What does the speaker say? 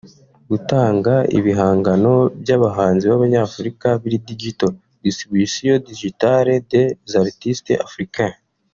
gutanga ibihagano by’ abahanzi b’ abanyafurika biri digital (DistributionDigitale des artistes africains)